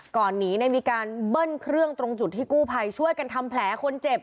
ก่อนหนีมีการเบิ้ลเครื่องตรงจุดที่กู้ภัยช่วยกันทำแผลคนเจ็บ